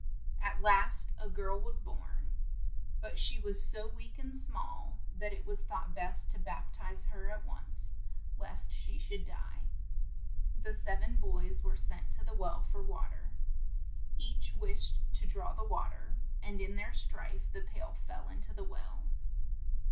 At last a girl was born, but she was so weak and small that it was thought best to bap tize her at once, lest she should die. The sev=en boys were sent to the well for wa ter. Each wished to draw the wa ter, and in their strife the pail fell [in to the well.